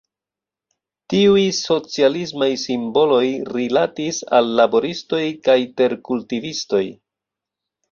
Tiuj socialismaj simboloj rilatis al laboristoj kaj terkultivistoj.